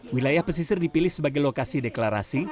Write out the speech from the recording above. wilayah pesisir dipilih sebagai lokasi deklarasi